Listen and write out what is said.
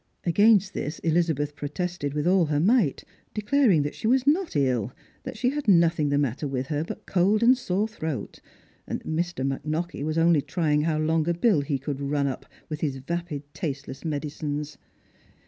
Against this Elizabeth protested with all her might, declaring that she was not ill, that she had nothing the matter with her but cold and sore throat, and that Mr. McKnockie was only trying how long a bill he could rim up with his vapid tasteless S24 Strangers and Pilgrims. medicines.